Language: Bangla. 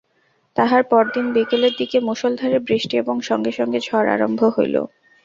তাহার পরদিন বিকেলের দিকে মুষলধারে বৃষ্টি এবং সঙ্গে সঙ্গে ঝড় আরম্ভ হইল।